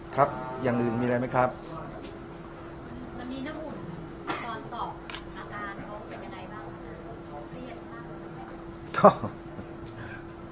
ครับอย่างอื่นมีอะไรไหมครับอันนี้น้องบุญอาการสอบอาการเขาเป็นไงบ้างอาการเขาเครียดบ้าง